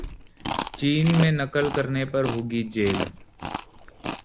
चीन में नकल करने पर होगी जेल